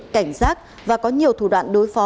cảnh giác và có nhiều thủ đoạn đối phó